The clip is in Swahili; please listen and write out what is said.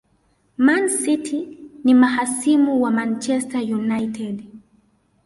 Man city ni mahasimu wa Manchester United